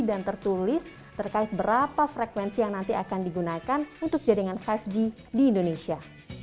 dan tertulis terkait berapa frekuensi yang nanti akan digunakan untuk jaringan lima g di indonesia